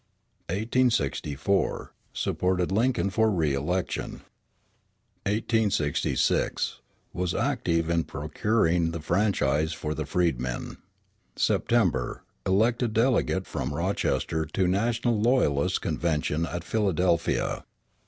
1864 Supported Lincoln for re election. 1866 Was active in procuring the franchise for the freedmen. September. Elected delegate from Rochester to National Loyalists' Convention at Philadelphia.